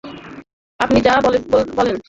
আপনি যা বলেন!